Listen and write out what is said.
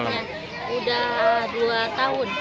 sudah dua tahun